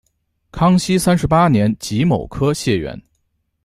康熙三十八年己卯科解元。